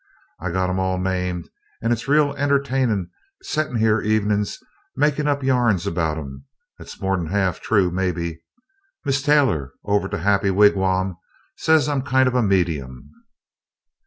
I got 'em all named, and it's real entertainin' settin' here evenin's makin' up yarns about 'em that's more'n half true, maybe Mis' Taylor over to Happy Wigwam says I'm kind of a medium."